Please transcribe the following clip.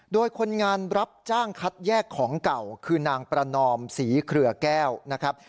โดยคนงานรับจ้างคัดแยกของเก่าคือนางประนอมศรีเครือแก้วนะครับ